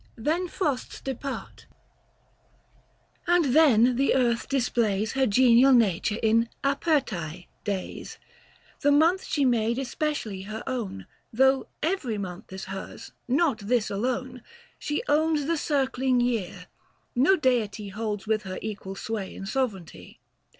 Then frosts depart, and then the earth displays Her genial nature in " Apertae " days. The month she made especially her own, 100 Though every month is hers, not this alone. She owns the circling year, no deity Holds with her equal sway and sovereignty.